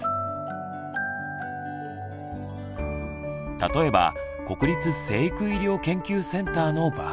例えば国立成育医療研究センターの場合。